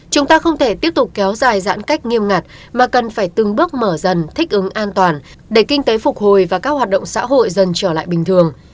chúng ta không thể tiếp tục kéo dài giãn cách nghiêm ngặt mà cần phải từng bước mở dần thích ứng an toàn để kinh tế phục hồi và các hoạt động xã hội dần trở lại bình thường